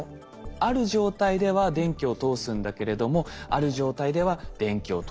ある状態では電気を通すんだけれどもある状態では電気を通しませんよ。